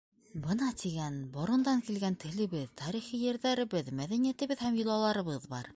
Бына тигән, борондан килгән телебеҙ, тарихи ерҙәребеҙ, мәҙәниәтебеҙ һәм йолаларыбыҙ бар.